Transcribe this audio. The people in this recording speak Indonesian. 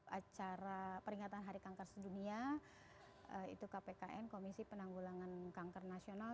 acara peringatan hari kanker sedunia itu kpkn komisi penanggulangan kanker nasional